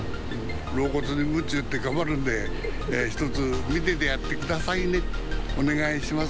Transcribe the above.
老骨にむち打って頑張るんで、一つ見ててやってくださいね、お願いします。